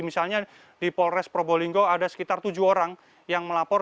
misalnya di polres probolinggo ada sekitar tujuh orang yang melapor